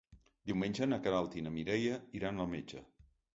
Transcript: Diumenge na Queralt i na Mireia iran al metge.